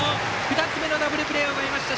２つ目のダブルプレーをとりました。